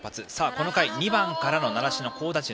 この回、２番から習志野、好打順。